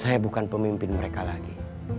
saya bukan pemimpin mereka lagi